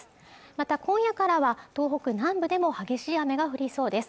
また今夜からは東北南部でも激しい雨が降りそうです